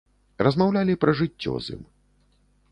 Размаўлялі пра жыццё з ім.